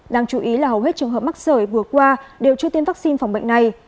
đáng chú ý là hầu hết trường hợp mắc sởi vừa qua đều chưa tiêm vaccine phòng bệnh này